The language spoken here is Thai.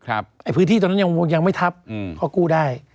พื้นที่ตรงนั้นยังไม่ทับเพราะกู้ได้